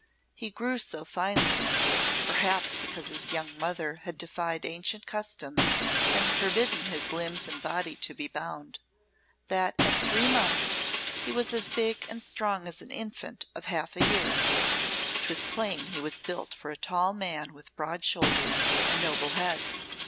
He grew so finely perhaps because his young mother had defied ancient custom and forbidden his limbs and body to be bound that at three months he was as big and strong as an infant of half a year. 'Twas plain he was built for a tall man with broad shoulders and noble head.